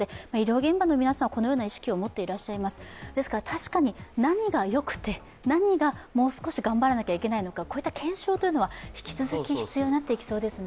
確かに何がよくて、何がもう少し頑張らないといけないのかこういった検証というのは引き続き必要になってきそうですね。